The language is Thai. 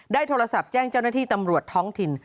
โทรศัพท์แจ้งเจ้าหน้าที่ตำรวจท้องถิ่น